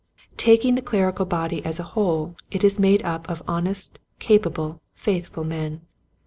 Taking the clerical body as a whole it is made up of honest, capable, faithful men.